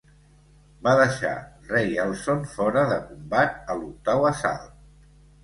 Va deixar Ray Elson fora de combat a l'octau assalt.